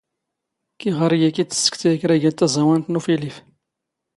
ⴽⵉⵖ ⴰⵔ ⵉⵢⵉ ⴽ ⵉⴷ ⵜⵙⵙⴽⵜⴰⵢ ⴽⵔⴰⵢⴳⴰⵜ ⵜⴰⵥⴰⵡⴰⵏⵜ ⵏ ⵓⴼⵉⵍⵉⴼ.